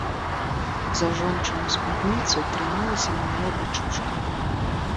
За жончыну спадніцу трымалася малая дачушка.